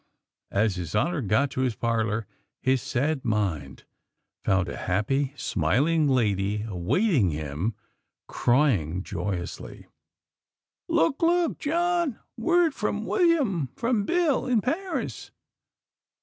_ As His Honor got to his parlor, his sad mind found a happy, smiling Lady awaiting him; crying joyously: "Look! Look, John! Word from William! From Bill, in Paris!"